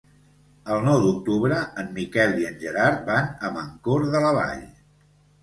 El nou d'octubre en Miquel i en Gerard van a Mancor de la Vall.